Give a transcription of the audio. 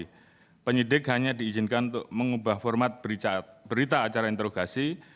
penyidik hanya diizinkan untuk mengubah format berita acara interogasi